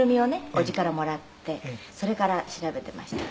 おじからもらってそれから調べていました」